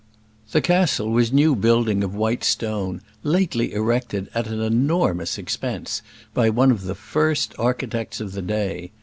The castle was a new building of white stone, lately erected at an enormous cost by one of the first architects of the day.